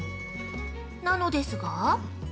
なのですが◆